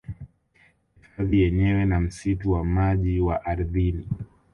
Hifadhi yenyewe na msitu wa maji wa ardhini